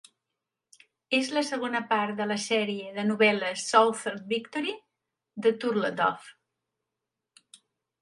És la segona part de la sèrie de novel·les "Southern Victory" de Turtledove.